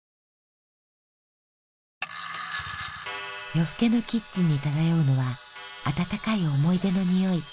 夜更けのキッチンに漂うのは温かい思い出のにおい。